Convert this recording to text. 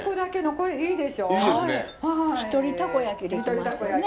一人たこ焼きできますよね。